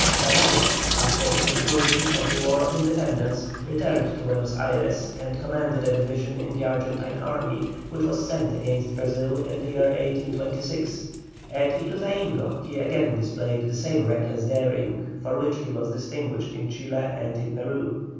LAVALLE, after the conclusion of the War of Independence, returned to Buenos Ayres, and commanded a division in the Argentine army, which was sent against Brazil in the year 1826. At Ituzaingo he again displayed the same reckless daring for which he was distinguished in Chile and in Peru.